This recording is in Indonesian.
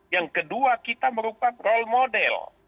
yang kedua kita merupakan role model